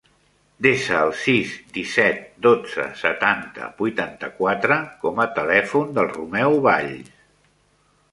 Desa el sis, disset, dotze, setanta, vuitanta-quatre com a telèfon del Romeo Valls.